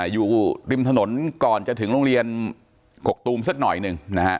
อยู่ริมถนนก่อนจะถึงโรงเรียนกกตูมสักหน่อยหนึ่งนะฮะ